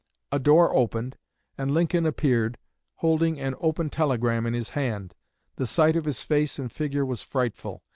"A door opened and Lincoln appeared, holding an open telegram in his hand. The sight of his face and figure was frightful.